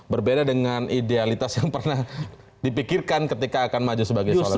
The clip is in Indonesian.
berbeda dengan idealitas yang pernah dipikirkan ketika akan maju sebagai calon presiden